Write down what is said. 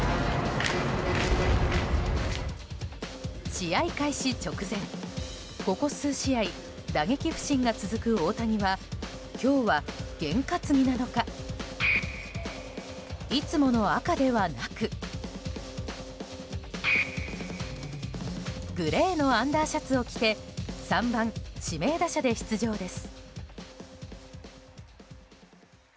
試合開始直前、ここ数試合打撃不振が続く大谷は今日は験担ぎなのかいつもの赤ではなくグレーのアンダーシャツを着て３番指名打者で出場です。